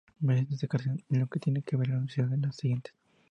Merecen destacarse, en lo que tiene que ver con la Universidad, las siguientes.